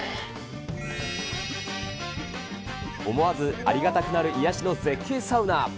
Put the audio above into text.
思わずありがたくなる、癒やしの絶景サウナ。